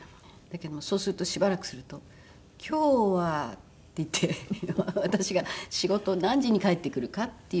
だけどもそうするとしばらくすると「今日は」って言って私が仕事何時に帰ってくるかっていう事を聞くんですよね。